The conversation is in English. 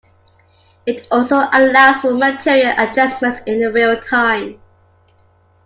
It also allows for material adjustments in a realtime.